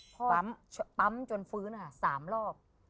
พ่อปั๊มจนฟื้นนะคะ๓รอบ